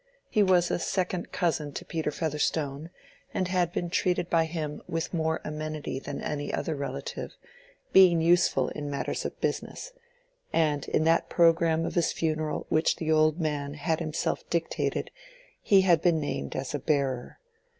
He was second cousin to Peter Featherstone, and had been treated by him with more amenity than any other relative, being useful in matters of business; and in that programme of his funeral which the old man had himself dictated, he had been named as a Bearer.